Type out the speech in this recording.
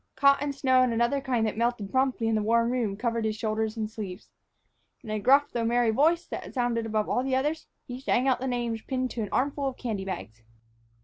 Cotton snow and another kind that melted promptly in the warm room covered his shoulders and sleeves. In a gruff though merry voice that sounded above all the others, he sang out the names pinned to an armful of candy bags.